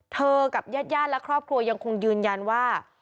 กับญาติและครอบครัวยังคงยืนยันว่า